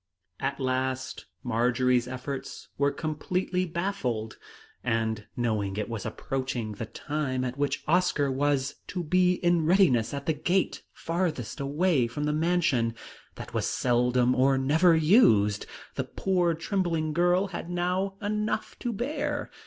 At last Marjory's efforts were completely baffled; and knowing it was approaching the time at which Oscar was to be in readiness at the gate farthest away from the mansion, that was seldom or never used, the poor trembling girl had now enough to bear.